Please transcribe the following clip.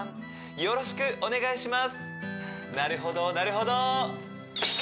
よろしくお願いします！